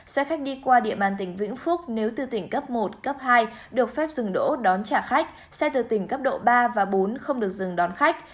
xe khách đi qua địa bàn tỉnh vĩnh phúc nếu từ tỉnh cấp một cấp hai được phép dừng đỗ đón trả khách xe từ tỉnh cấp độ ba và bốn không được dừng đón khách